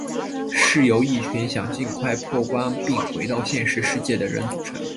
是由一群想尽快破关并回到现实世界的人组成。